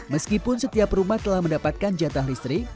meskipun setiap rumah telah mendapatkan jatah listrik